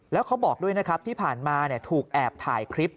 แล้วเขาบอกด้วยนะครับที่ผ่านมาถูกแอบถ่ายคลิป